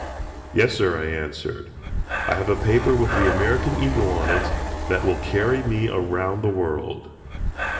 "Yes, sir," I answered; "I have a paper with the American eagle on it, that will carry me around the world."